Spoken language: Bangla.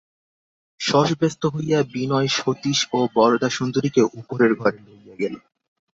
শশব্যস্ত হইয়া বিনয় সতীশ ও বরদাসুন্দরীকে উপরের ঘরে লইয়া গেল।